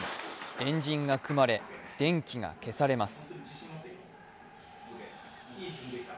円陣が組まれ、電気が消されます。